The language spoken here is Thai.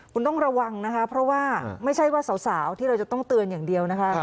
คุณต้องระวังนะคะเพราะว่าไม่ใช่ว่าสาวที่เราจะต้องเตือนอย่างเดียวนะคะ